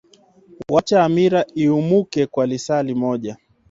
wacha hamira imumuke kwa lisaa limoja